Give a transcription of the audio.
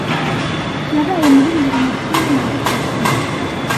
yabaye muri bibiri na cumin a gatatu